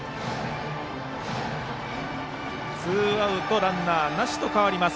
ツーアウトランナーなしと変わります。